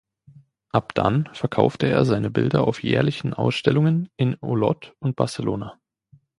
Ab dann verkaufte er seine Bilder auf jährlichen Ausstellungen in Olot und Barcelona.